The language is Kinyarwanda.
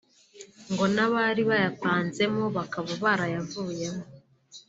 ngo n’abari bayapanzemo bakaba barayavuyemo